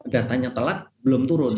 datanya telat belum turun